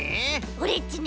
オレっちね